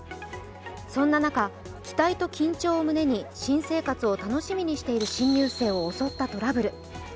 そんな中、期待と緊張を胸に新生活を楽しみにしている新入生を襲ったトラブル。